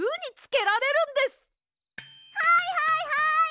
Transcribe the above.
はいはいはい！